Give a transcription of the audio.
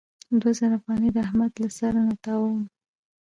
دوه زره افغانۍ د احمد له سره نه تاووم.